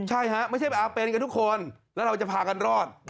ใช่ฮะไม่ใช่เป็นกันทุกคนแล้วเราจะพากันรอด